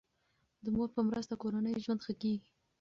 د مور په مرسته کورنی ژوند ښه کیږي.